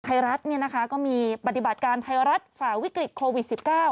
ไทยรัฐก็มีปฏิบัติการไทยรัฐฝ่าวิกฤตโควิด๑๙